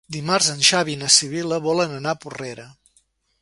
Dimarts en Xavi i na Sibil·la volen anar a Porrera.